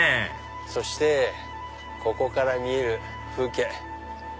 そしてここから見える風景。